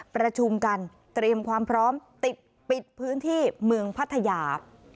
ประชุมกันเตรียมความพร้อมติดปิดพื้นที่เมืองพัทยา